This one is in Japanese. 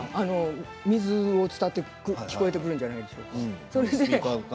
水を伝って聞こえてくるんじゃないでしょうか。